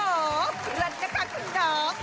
โอ้โฮรักนะคะคุณน้อง